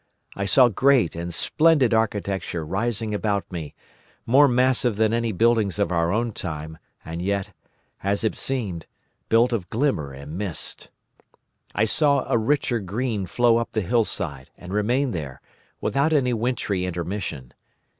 I saw great and splendid architecture rising about me, more massive than any buildings of our own time, and yet, as it seemed, built of glimmer and mist. I saw a richer green flow up the hillside, and remain there, without any wintry intermission.